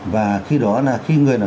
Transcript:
và khi đó là